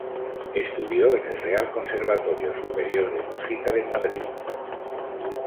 Estudió en el Real Conservatorio Superior de Música de Madrid.